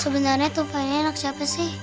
sebenernya tufaila anak siapa sih